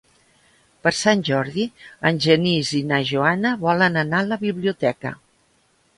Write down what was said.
Per Sant Jordi en Genís i na Joana volen anar a la biblioteca.